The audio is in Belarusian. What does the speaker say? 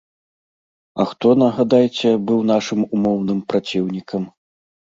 А хто, нагадайце, быў нашым умоўным праціўнікам?